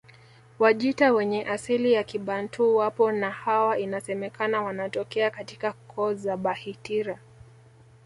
Wajita wenye asili ya Kibantu wapo na hawa inasemekana wanatokea katika koo za Bahitira